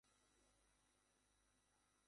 রামনিকের পছন্দ আছে বটে।